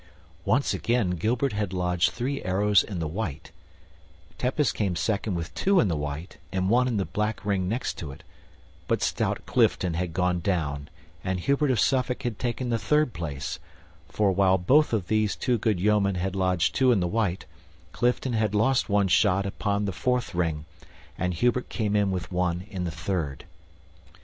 Once again Gilbert had lodged three arrows in the white; Tepus came second with two in the white and one in the black ring next to it; but stout Clifton had gone down and Hubert of Suffolk had taken the third place, for, while both those two good yeomen had lodged two in the white, Clifton had lost one shot upon the fourth ring, and Hubert came in with one in the third.